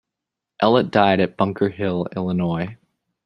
Ellet died at Bunker Hill, Illinois.